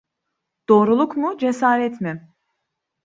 Doğruluk mu cesaret mi?